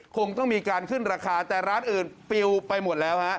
คงต้องมีการขึ้นราคาแต่ร้านอื่นปิวไปหมดแล้วฮะ